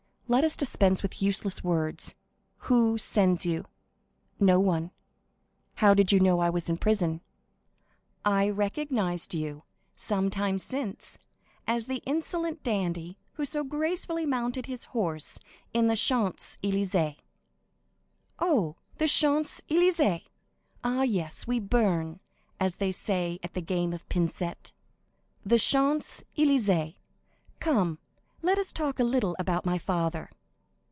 Let us dispense with useless words. Who sends you?" "No one." "How did you know I was in prison?" "I recognized you, some time since, as the insolent dandy who so gracefully mounted his horse in the Champs Élysées." "Oh, the Champs Élysées? Ah, yes; we burn, as they say at the game of pincette. The Champs Élysées? Come, let us talk a little about my father."